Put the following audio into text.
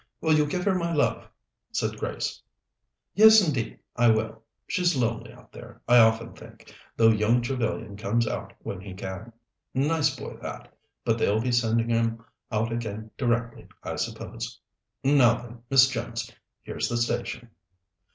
Will you give her my love?" said Grace. "Yes, indeed I will. She's lonely out there, I often think, though young Trevellyan comes out when he can. Nice boy that, but they'll be sending him out again directly, I suppose. Now, then, Miss Jones, here's the station."